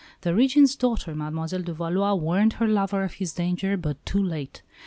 The Regent's daughter, Mademoiselle de Valois, warned her lover of his danger, but too late.